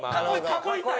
「囲いたい」？